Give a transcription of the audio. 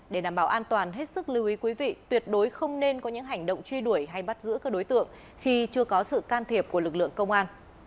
để đảm bảo an toàn hết sức lưu ý quý vị tuyệt đối không nên có những hành động truy đuổi hay bắt giữ các đối tượng khi chưa có sự can thiệp của lực lượng công an